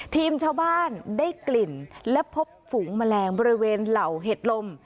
ทีมชาวบ้านได้กลิ่นและพบฝูงแมลงบริเวณเหล่าเห็ดลม